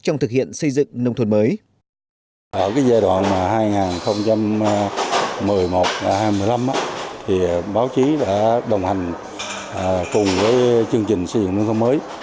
ở giai đoạn hai nghìn một mươi một hai nghìn một mươi năm báo chí đã đồng hành cùng với chương trình xây dựng nông thôn mới